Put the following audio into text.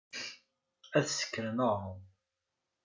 Ad sekren aɣṛum.